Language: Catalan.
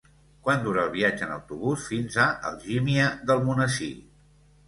Quant dura el viatge en autobús fins a Algímia d'Almonesir?